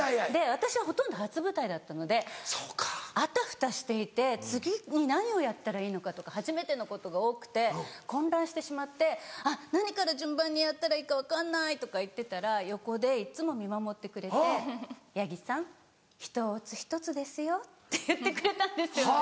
で私はほとんど初舞台だったのであたふたしていて次に何をやったらいいのかとか初めてのことが多くて混乱してしまって何から順番にやったらいいか分かんないとか言ってたら横でいつも見守ってくれて「八木さん一つ一つですよ」って言ってくれたんです